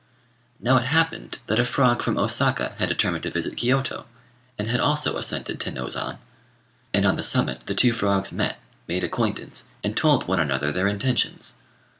Now it so happened that a frog from Osaka had determined to visit Kiôto, and had also ascended Tenôzan; and on the summit the two frogs met, made acquaintance, and told one another their intentions.